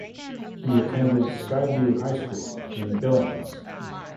He attended Skyview High School in Billings.